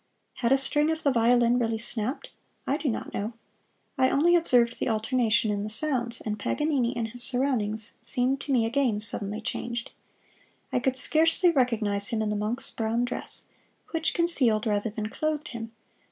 Had a string of the violin really snapped? I do not know. I only observed the alternation in the sounds, and Paganini and his surroundings seemed to me again suddenly changed. I could scarcely recognize him in the monk's brown dress, which concealed rather than clothed him.